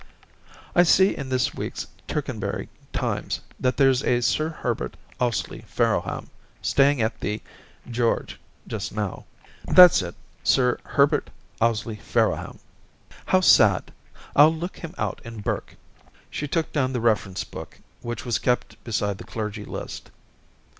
* I see in this week's Tercanbury Times that there's a Sir Herbert Ously Farrowham staying at the George " just now.' * That's it Sir Herbert Ously Farrow ham.' * How sad ! I'll look him out in Burke.' She took down the reference book, which was kept beside the clergy list.